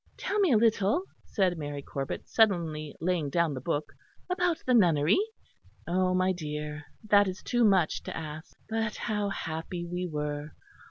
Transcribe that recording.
"Tell me a little," said Mary Corbet, suddenly laying down the book, "about the nunnery." "Oh, my dear, that is too much to ask; but how happy we were.